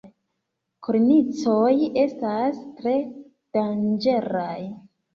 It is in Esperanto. Kornicoj estas tre danĝeraj.